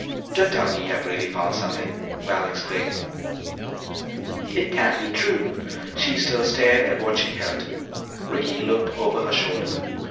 "Don't tell me you have really found something!" Val exclaimed. "It can't be true!" She still stared at what she held. Ricky looked over her shoulder.